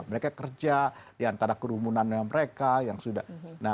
mereka kerja di antara kerumunan yang mereka yang sudah